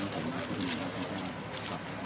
ขอบคุณครับ